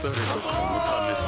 このためさ